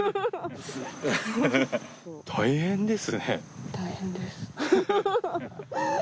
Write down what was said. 大変ですね。